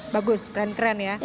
bagus keren keren ya